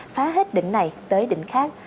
phá hết đỉnh này tới đỉnh khác